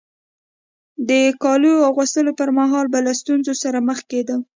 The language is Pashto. د کالو اغوستلو پر مهال به له ستونزو سره مخ کېدو.